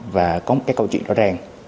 và có một câu chuyện rõ ràng